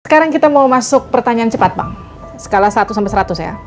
sekarang kita mau masuk pertanyaan cepat bang skala satu sampai seratus ya